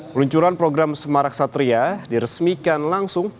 peluncuran program semarak satria diresmikan langsung